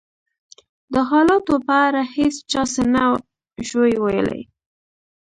د حالاتو په اړه هېڅ چا څه نه شوای ویلای.